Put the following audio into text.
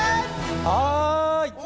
はい！